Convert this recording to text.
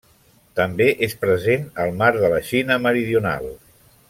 També és present al Mar de la Xina Meridional.